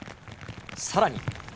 さらに。